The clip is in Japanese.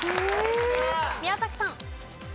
宮崎さん。